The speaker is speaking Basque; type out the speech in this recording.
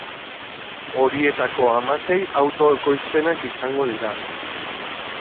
Horietako hamasei auto-ekoizpenak izango dira.